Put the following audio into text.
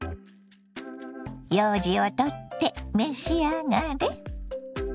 ようじを取って召し上がれ。